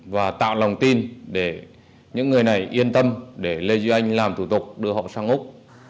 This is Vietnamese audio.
và tạo lòng tin để những người này yên tâm để lê duy anh làm thủ tục đưa họ sang úc